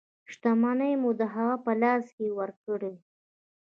شتمنۍ مو د هغه په لاس کې ورکړې.